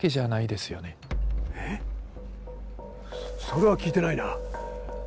それは聞いてないな。